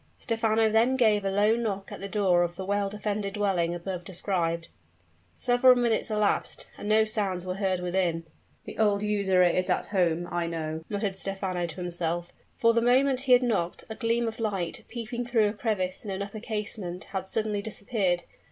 Stephano then gave a low knock at the door of the well defended dwelling above described. Several minutes elapsed; and no sounds were heard within. "The old usurer is at home, I know," muttered Stephano to himself; for the moment he had knocked a gleam of light, peeping through a crevice in an upper casement, had suddenly disappeared.